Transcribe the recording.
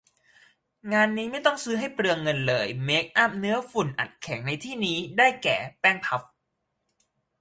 งานนี้ไม่ต้องซื้อให้เปลืองเงินเลย เมคอัพเนื้อฝุ่นอัดแข็งในที่นี้ ได้แก่ แป้งพัฟ